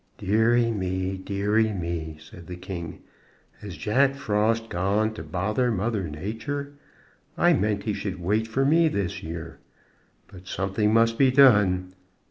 "Deary me! deary me!" said the king, "has Jack Frost gone to bother Mother Nature? I meant he should wait for me this year. But something must be done.